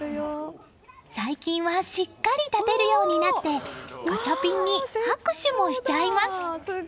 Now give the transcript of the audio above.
最近はしっかり立てるようになってガチャピンに拍手もしちゃいます。